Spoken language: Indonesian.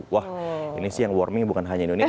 wah ini sih yang warming bukan hanya indonesia